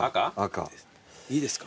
いいですか？